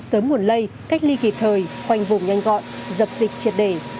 sớm nguồn lây cách ly kịp thời khoanh vùng nhanh gọn dập dịch triệt đề